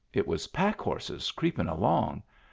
It was packhorses creepin* along.